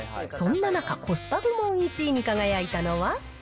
そんな中、コスパ部門１位に輝いたのは。